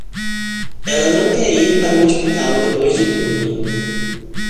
Ela não quer ir para o hospital depois de tudo.